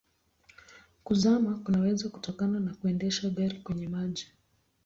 Kuzama kunaweza kutokana na kuendesha gari kwenye maji.